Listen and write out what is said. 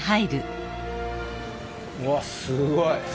うわっすごい！